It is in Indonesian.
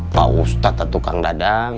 pak ustadz atau tukang dadang